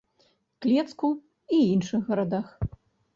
Клецку і іншых гарадах.